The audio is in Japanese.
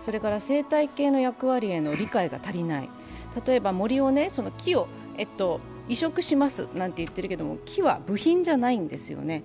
それから生態系の役割への理解が足りない、例えば森、木を移植しますなんていっていますが木は部品じゃないんですよね。